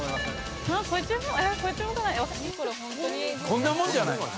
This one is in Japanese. こんなもんじゃないの？